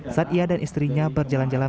saat ia dan istrinya berjalan jalan